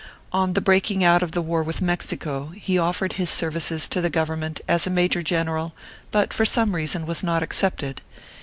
On the breaking out of the war with Mexico, he offered his services to the Gov ernment as a major general, but, for some reason, was not accepted.